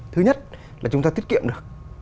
thứ nhất là chúng ta tiết kiệm được